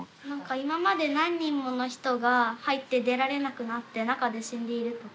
今まで何人もの人が入って出られなくなって中で死んでいるとか。